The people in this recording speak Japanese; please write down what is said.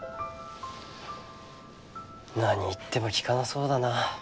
何言っても聞かなそうだな。